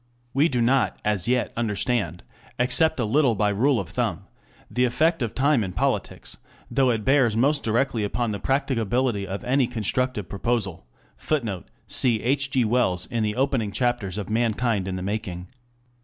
We do not, as yet, understand, except a little by rule of thumb, the element of time in politics, though it bears most directly upon the practicability of any constructive proposal. [Footnote: Cf. H. G. Wells in the opening chapters of _Mankind in the Making.